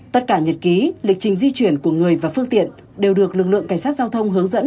tất cả nhật ký lịch trình di chuyển của người và phương tiện đều được lực lượng cảnh sát giao thông hướng dẫn